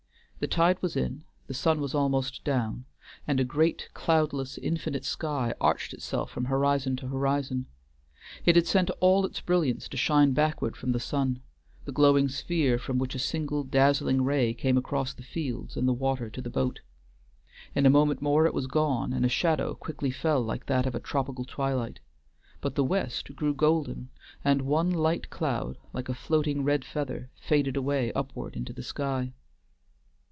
The tide was in, the sun was almost down, and a great, cloudless, infinite sky arched itself from horizon to horizon. It had sent all its brilliance to shine backward from the sun, the glowing sphere from which a single dazzling ray came across the fields and the water to the boat. In a moment more it was gone, and a shadow quickly fell like that of a tropical twilight; but the west grew golden, and one light cloud, like a floating red feather, faded away upward into the sky.